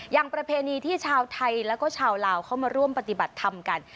ประเพณีที่ชาวไทยแล้วก็ชาวลาวเข้ามาร่วมปฏิบัติธรรมกัน